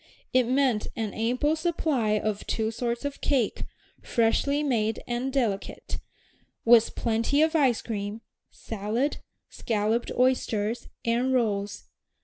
It meant an ample supply of two sorts of cake, freshly made and delicate, with plenty of ice cream, salad, scalloped oysters, and rolls.